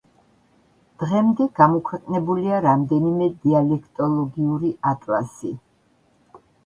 დღემდე გამოქვეყნებულია რამდენიმე დიალექტოლოგიური ატლასი.